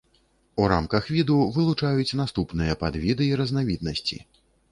У рамках віду вылучаюць наступныя падвіды і разнавіднасці.